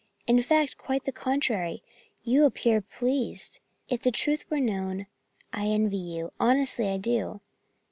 In fact, quite the contrary, you appear pleased. If the truth were known, I envy you, honestly I do!